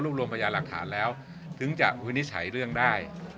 รวมรวมพยานหลักฐานแล้วถึงจะวินิจฉัยเรื่องได้